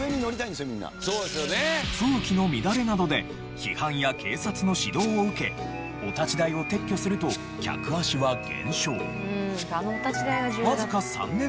風紀の乱れなどで批判や警察の指導を受けお立ち台を撤去すると客足は減少。